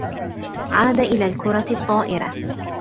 عاد إلى الكرة الطّائرة.